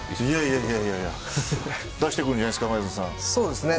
いやいや出してくるんじゃないですか、前園さん。